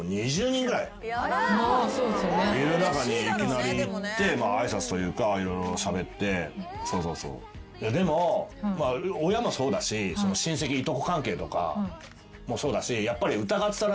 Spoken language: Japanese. いる中にいきなり行って挨拶というか色々しゃべってそうそうそうでも親もそうだし親戚いとこ関係とかもそうだしやっぱり疑ってたらしいのよ。